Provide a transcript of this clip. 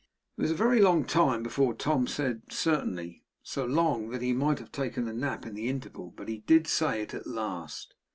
It was a very long time before Tom said 'Certainly;' so long, that he might have taken a nap in the interval, but he did say it at last.